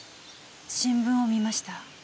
新聞を見ました。